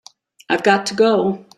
I've got to go.